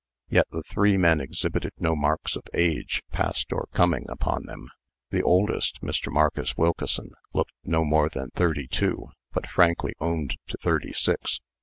Yet the three men exhibited no marks of age, past or coming, upon them. The oldest, Mr. Marcus Wilkeson, looked no more than thirty two; but frankly owned to thirty six.